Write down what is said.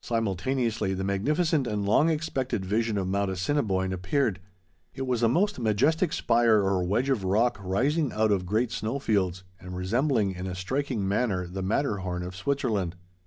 Simultaneously the magnificent and long expected vision of Mount Assiniboine appeared. It was a most majestic spire or wedge of rock rising out of great snow fields, and resembling in a striking manner the Matterhorn of Switzerland.